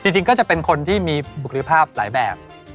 จริงก็จะเป็นคนที่มีบุคลิภาพหลายแบบ